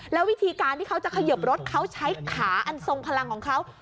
แล้ววิธีการที่เขาจะเขยิบรถเขาใช้ขาอันทรงพลังของเขา